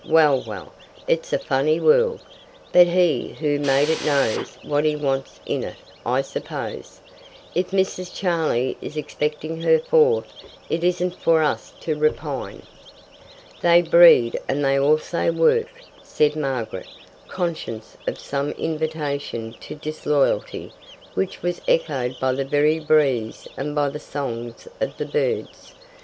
Well, well, it's a funny world. But He who made it knows what He wants in it, I suppose. If Mrs. Charlie is expecting her fourth, it isn't for us to repine." "They breed and they also work," said Margaret, conscious of some invitation to disloyalty, which was echoed by the very breeze and by the songs of the birds.